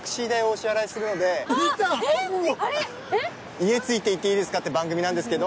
『家、ついて行ってイイですか？』って番組なんですけど。